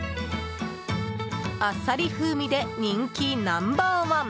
あっさり風味で人気ナンバー１。